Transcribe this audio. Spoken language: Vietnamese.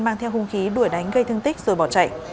mang theo hung khí đuổi đánh gây thương tích rồi bỏ chạy